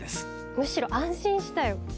むしろ安心したよ。